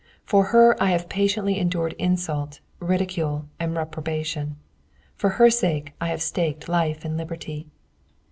For her have I patiently endured insult, ridicule, and reprobation. For her sake I have staked life and liberty.